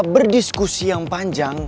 berdiskusi yang panjang